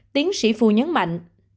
tiến sĩ phu nhấn mạnh